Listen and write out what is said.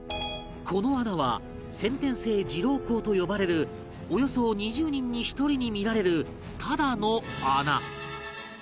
この穴は先天性耳瘻孔と呼ばれるおよそ２０人に１人に見られるただの穴